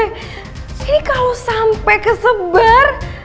ini kalo sampe kesebar